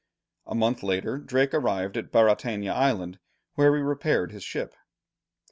A month later, Drake arrived at Baratena Island where he repaired his ship.